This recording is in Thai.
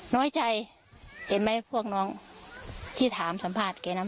น้อยใจเห็นไหมพวกน้องที่ถามสัมภาษณ์แกนะ